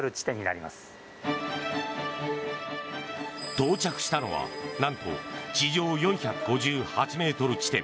到着したのは、何と地上４５８ｍ地点。